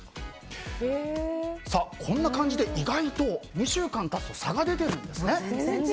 こんな感じで意外と２週間経つと差が出てるんですね。